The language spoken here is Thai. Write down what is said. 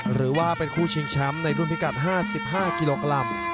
หรือว่าเป็นคู่ชิงแชมป์ในรุ่นพิกัด๕๕กิโลกรัม